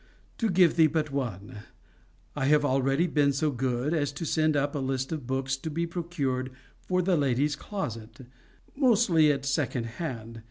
To give thee but one I have already been so good as to send up a list of books to be procured for the lady's closet, mostly at second hand.